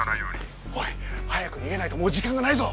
おい早く逃げないともう時間がないぞ！